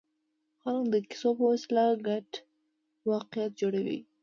خلک د کیسو په وسیله ګډ واقعیت جوړوي.